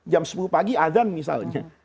jam sepuluh pagi azan misalnya